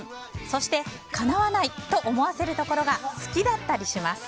そして、かなわない！と思わせるところが好きだったりします。